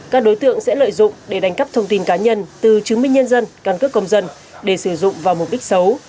các đối tượng sẽ lợi dụng để đánh cắp thông tin cá nhân từ chứng minh nhân dân căn cước công dân để sử dụng vào mục đích xấu